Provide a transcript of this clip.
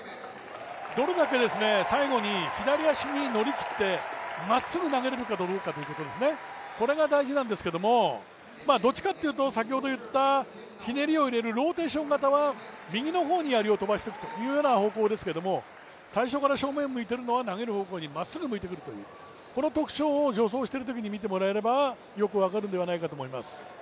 どれだけ最後に左足に乗りきってまっすぐ投げられるかどうかですね、これが大事なんですけどもどっちかっていうと先ほど言ったひねりを入れるローテーション型は右のようにやりを飛ばしていくというような方向ですけど最初から正面向いてるのは、投げる方向にまっすぐ向いてくるこの特徴を助走しているときに見てもらえれば、よく分かるんでないかと思います。